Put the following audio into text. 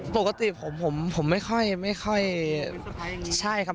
ปกติผมผมไม่ค่อยไม่ค่อย